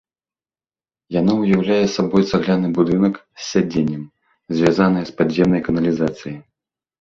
Яно уяўляе сабой цагляны будынак з сядзеннем, звязанае з падземнай каналізацыяй.